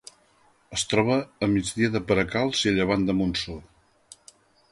Es troba a migdia de Peracalç i a llevant de Montsor.